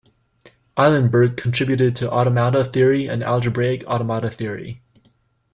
Eilenberg contributed to automata theory and algebraic automata theory.